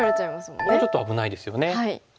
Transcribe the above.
これちょっと危ないですよね。